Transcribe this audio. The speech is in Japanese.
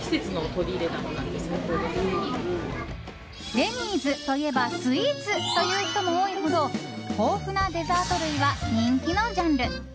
デニーズといえばスイーツという人も多いほど豊富なデザート類は人気のジャンル。